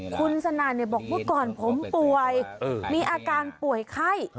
คุณสนั่นบอกเมื่อก่อนผมป่วยมีอาการป่วยไข้